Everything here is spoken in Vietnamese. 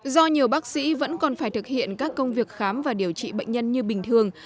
do nhiều bác sĩ vẫn còn phải thực hiện các công việc khám và điều trị bệnh nhân như bình thường